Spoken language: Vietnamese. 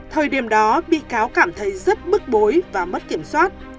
thời điểm đó bị cáo cảm thấy rất bức bối và mất kiểm soát